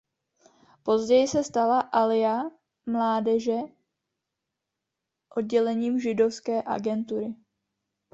Později se stala Alija mládeže oddělením Židovské agentury.